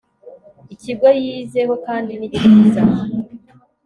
ikigo yizeho kandi nikiza